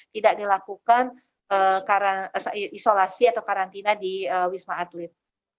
tidak dilakukan isolasi atau karantina di wisma atlet